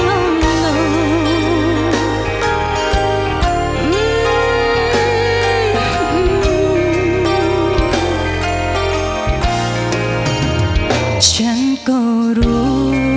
ฉันก็รู้ฉันก็รู้